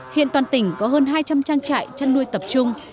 hiện toàn tỉnh có hơn hai trăm linh trang trại chăn nuôi tập trung